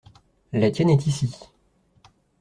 La tienne est ici.